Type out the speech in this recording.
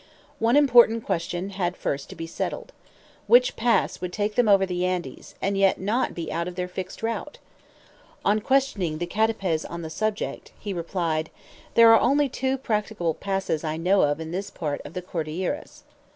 One important question had first to be settled. Which pass would take them over the Andes, and yet not be out of their fixed route? On questioning the CATAPEZ on the subject, he replied: "There are only two practicable passes that I know of in this part of the Cordilleras."